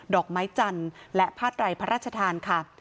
ดอกไม้จันทร์และภาตรายพระราชธานค่ะ